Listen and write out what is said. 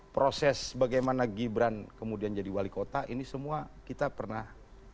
proses bagaimana gibran kemudian jadi wali kota ini semua kita pernah